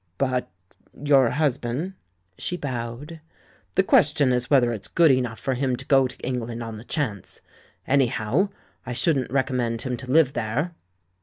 But ... Your husband?'* She bowed. "The question is whether it's good enough for him to go to England on the chance. iVnyhow, I shouldn't recommend him to live there."